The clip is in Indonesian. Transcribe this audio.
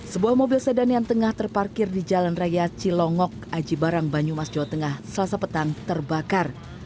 sebuah mobil sedan yang tengah terparkir di jalan raya cilongok aji barang banyumas jawa tengah selasa petang terbakar